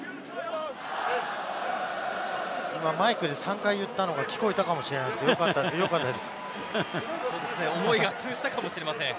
今マイクで３回言ったのが聞こえたかもしれないですね。